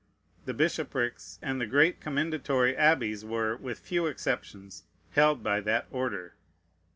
The bishoprics and the great commendatory abbeys were, with few exceptions, held by that order.